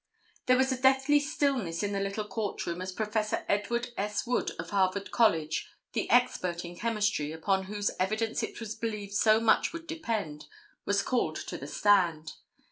There was a deathly stillness in the little court room as Prof. Edward S. Wood of Harvard College, the expert in chemistry, upon whose evidence it was believed so much would depend, was called to the stand.